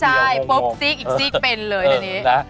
ใช่ปุ๊บซีกอีกซีกเป็นเลยในนี้